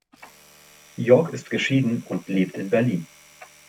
York ist geschieden und lebt in Berlin.